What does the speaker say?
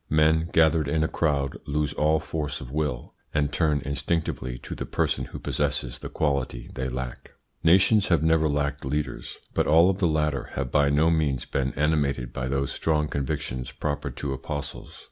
Men gathered in a crowd lose all force of will, and turn instinctively to the person who possesses the quality they lack. Nations have never lacked leaders, but all of the latter have by no means been animated by those strong convictions proper to apostles.